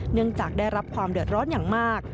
เนื่องจากได้รับความเดือดร้อนอย่างมาก